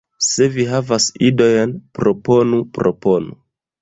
Se vi havas ideojn, proponu, proponu.